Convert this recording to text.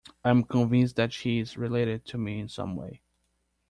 I'm convinced that she is related to me in some way.